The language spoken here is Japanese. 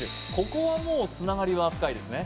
ここはもうつながりは深いですね